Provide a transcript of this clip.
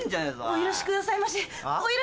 お許しくださいまし！